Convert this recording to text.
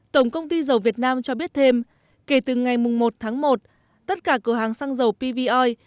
tổng công ty dầu việt nam cho biết thêm kể từ ngày một tháng một tất cả cửa hàng xăng dầu pvoi